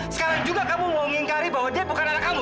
sekarang juga kamu mau ngingkari bahwa dia bukan anak kamu